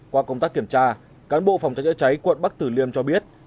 qua công tác kiểm tra cán bộ phòng cháy chữa cháy quận bắc tử liêm cho biết